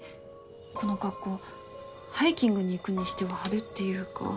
この格好ハイキングに行くにしては派手っていうか。